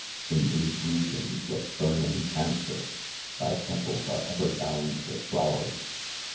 In these regions, of burning 'Cancer, thy "temples are' ever 'bound with flowers.'